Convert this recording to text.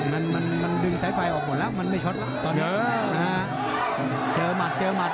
มันมันดึงสายไฟออกหมดแล้วมันไม่ช็อตแล้วตอนนี้นะฮะเจอหมัดเจอหมัด